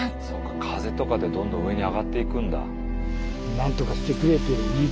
風とかでどんどん上に上がっていくんだ。